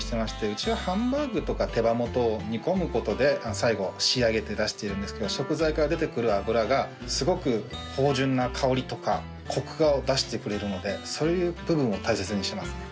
うちはハンバーグとか手羽元を煮込むことで最後仕上げて出しているんですけど食材から出てくる脂がすごく芳醇な香りとかコクを出してくれるのでそういう部分を大切にしてますね。